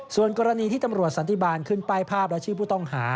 ส่วนกรณีที่ตำรวจสันติบาลขึ้นป้ายภาพและชื่อผู้ต้องหา